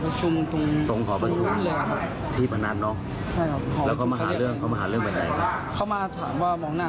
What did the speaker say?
เขามาถามว่ามองหน้าทำไมครับ